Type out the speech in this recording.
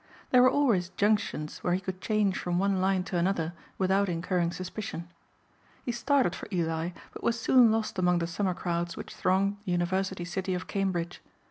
There were always junctions where he could change from one line to another without incurring suspicion. He started for Ely but was soon lost among the summer crowds which thronged the university city of Cambridge.